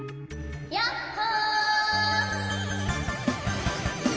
・やっほ！